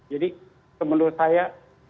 jadi menurut saya